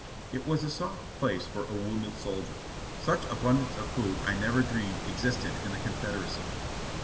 It was a soft place for a wounded soldier; such abundance of food I never dreamed existed in the Confederacy.